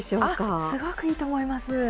あっすごくいいと思います。